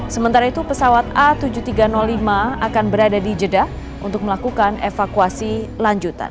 sementara itu pesawat a tujuh ribu tiga ratus lima akan berada di jeddah untuk melakukan evakuasi lanjutan